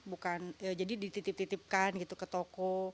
bukan ya jadi dititip titipkan gitu ke toko